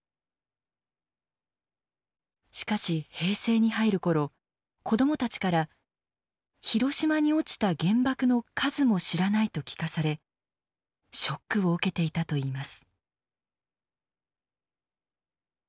しかし平成に入る頃子どもたちから広島に落ちた原爆の数も知らないと聞かされショックを受けていたといいます。